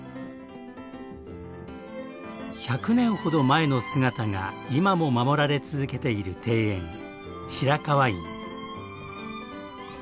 １００年ほど前の姿が今も守られ続けている庭園白河院。